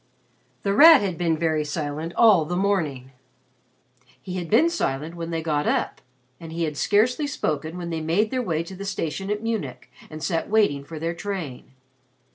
The Rat had been very silent all the morning. He had been silent when they got up, and he had scarcely spoken when they made their way to the station at Munich and sat waiting for their train.